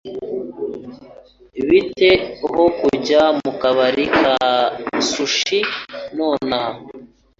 Bite ho kujya mukabari ka sushi nonaha?